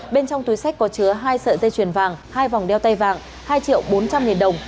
bên trong túi sách có chứa hai sợi dây chuyền vàng hai vòng đeo tay vàng hai triệu bốn trăm linh nghìn đồng